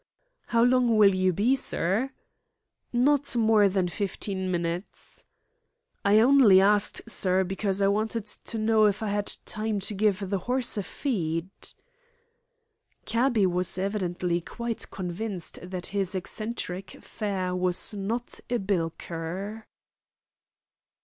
"How long will you be, sir?" "Not more than fifteen minutes." "I only asked, sir, because I wanted to know if I had time to give the horse a feed." Cabby was evidently quite convinced that his eccentric fare was not a bilker.